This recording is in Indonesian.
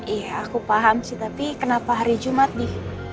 iya aku paham sih tapi kenapa hari jumat nih